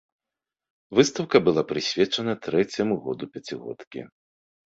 Выстаўка была прысвечана трэцяму году пяцігодкі.